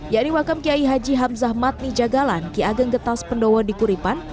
yakni makam kiai haji hamzah mat nijagalan ki ageng getas pendowa di kuripan